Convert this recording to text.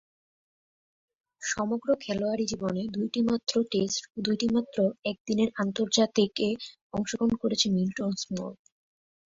সমগ্র খেলোয়াড়ী জীবনে দুইটিমাত্র টেস্ট ও দুইটিমাত্র একদিনের আন্তর্জাতিকে অংশগ্রহণ করেছেন মিল্টন স্মল।